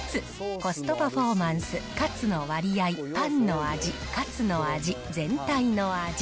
コストパフォーマンス、カツの割合、パンの味、カツの味、全体の味。